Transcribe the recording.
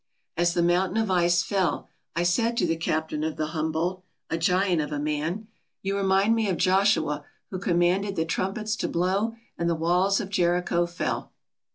As the mountain of ice fell I said to the captain of the Humboldt, a giant of a man, "You remind me of Joshua who commanded the trumpets to blow and the walls of , Jericho fell."